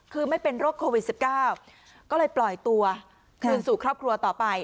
คือไม่เป็นโรคโควิด๑๙ก็เลยปล่อยตัวคืนสู่ครอบครัวต่อไป